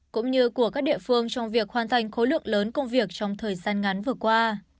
cũng như của các địa phương trong việc hoàn thành khối lượng lớn công việc trong thời gian ngắn vừa qua